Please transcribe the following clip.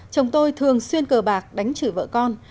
chồng tôi thường xuyên cờ bạc đánh chửi vợ con